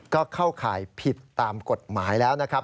ก็เข้าข่ายผิดตามกฎหมายแล้วนะครับ